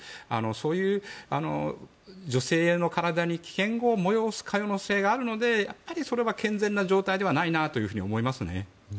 そういう女性の体に危険を催す可能性があるのでやっぱりそれは健全な状態ではないなと思いますね。